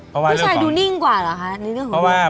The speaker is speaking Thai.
ผู้ชายดูนิ่งกว่าเหรอคะในเรื่องของ